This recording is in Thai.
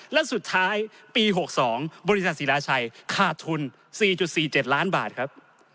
และสุดท้ายปี๖๒บริษัทศิลาชัยขาดทุน๔๔๗ล้านบาทครับ